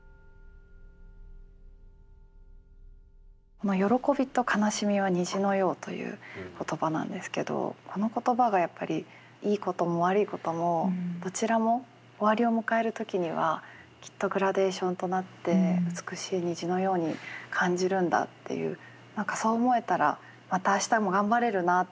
この「よろこびとかなしみはにじのよう」という言葉なんですけどこの言葉がやっぱりいいことも悪いこともどちらも終わりを迎える時にはきっとグラデーションとなって美しい虹のように感じるんだっていう何かそう思えたらまた明日も頑張れるなって。